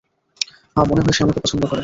হ্যাঁ, মনেহয় সে আমাকে পছন্দ করে।